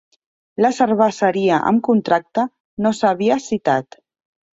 La cerveseria amb contracte no s'havia citat.